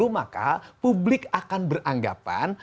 maka publik akan beranggapan